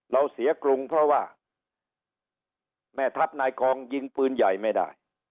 เราเสียกรุงเพราะว่าแม่ทัพนายกองยิงปืนใหญ่ไม่ได้